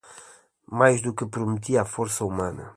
Mais do que prometia a força humana